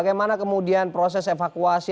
bagaimana kemudian proses evakuasi